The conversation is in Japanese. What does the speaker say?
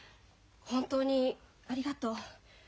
本当にありがとう。